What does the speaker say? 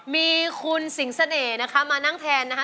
มีคุณสิงเสน่ห์นะคะมานั่งแทนนะคะ